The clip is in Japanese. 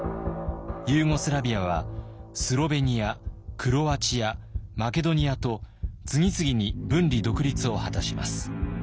ユーゴスラビアはスロベニアクロアチアマケドニアと次々に分離独立を果たします。